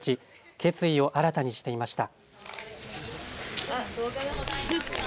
決意を新たにしていました。